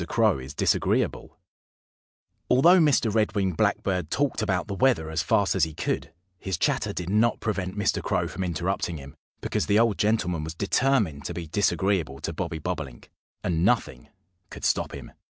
CROW IS DISAGREEABLE ALTHOUGH Mr. Red winged Blackbird talked about the weather as fast as he could, his chatter did not prevent Mr. Crow from interrupting him, because the old gentleman was determined to be disagreeable to Bobby Bobolink, and nothing could stop him.